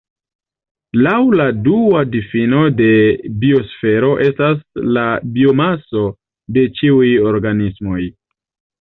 Laŭ la dua difino la biosfero estas la biomaso de ĉiuj organismoj.